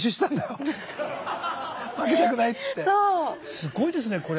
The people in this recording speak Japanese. すごいですねこれ。